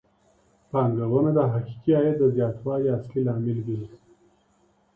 پانګونه د حقيقي عايد د زياتوالي اصلي لامل ګرځي.